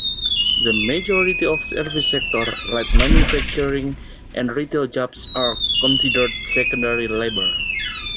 The majority of service sector, light manufacturing, and retail jobs are considered secondary labor.